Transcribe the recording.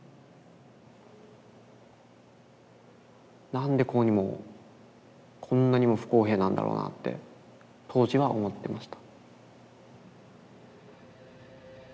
何でこうにもこんなにも不公平なんだろうなって当時は思ってました。